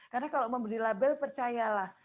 karena kalau memberi label percayalah